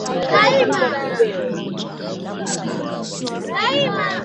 wakati wa kujizoeshaSuala la ukuaji wa neva ambalo pia linaweza